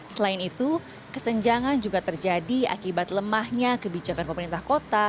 selain itu kesenjangan juga terjadi akibat lemahnya kebijakan pemerintah kota